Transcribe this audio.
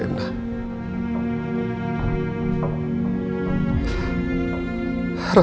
apalagi untuk melihat rena